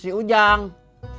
masih di rumah sarapan dulu katanya